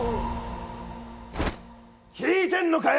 聞いてんのかよ！